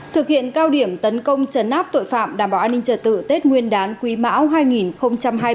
thực hiện cao điểm tấn công chấn áp tội phạm đảm bảo an ninh trật tự tết nguyên đán quý mão hai nghìn hai mươi ba